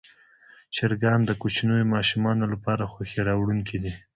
چرګان د کوچنیو ماشومانو لپاره خوښي راوړونکي دي.